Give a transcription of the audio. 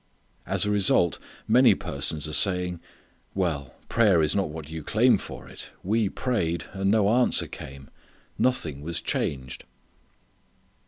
As a result many persons are saying: "Well, prayer is not what you claim for it: we prayed and no answer came: nothing was changed."